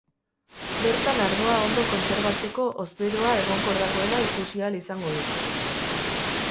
Bertan ardoa ondo kontserbatzeko hozberoa egonkor dagoela ikusi ahal izango du.